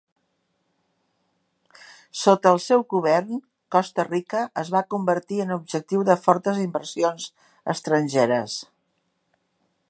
Sota el seu govern, Costa Rica es va convertir en objectiu de fortes inversions estrangeres.